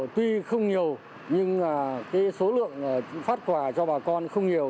tuy không nhiều nhưng số lượng phát quà cho bà con không nhiều